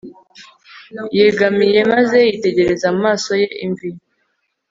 yegamiye maze yitegereza mu maso ye imvi